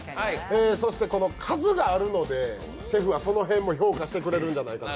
そして、数があるのでシェフはその辺も評価してくれるんじゃないかと。